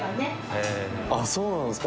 あっそうなんですか？